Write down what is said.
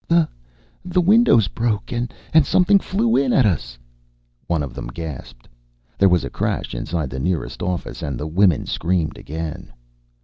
"The the windows broke, and and something flew in at us!" one of them gasped. There was a crash inside the nearest office and the women screamed again.